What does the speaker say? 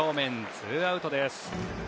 ツーアウトです。